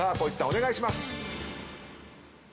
お願いします！